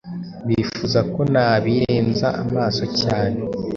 Bifuza ko nabirenze amaso cyane